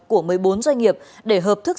của một mươi bốn doanh nghiệp để hợp thức